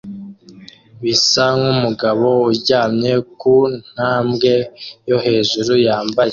bisa nkumugabo uryamye ku ntambwe yo hejuru yambaye